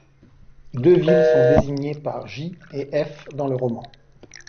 Deux villes sont désignées par J… et F… dans le roman.